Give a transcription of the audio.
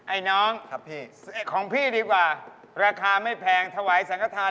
ไอ้น้องของพี่ดีกว่าราคาไม่แพงถวายสังขทาน